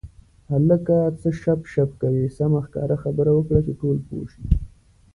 هلکه څه شپ شپ کوې سمه ښکاره خبره وکړه چې ټول پوه شي.